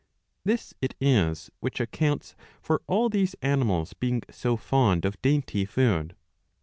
This it is which accounts for all these animals being so fond of dainty food.'